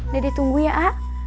dede tunggu ya aaa